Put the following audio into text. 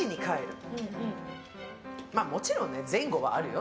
もちろん前後はあるよ。